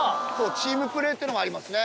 チームプレーっていうのもありますね。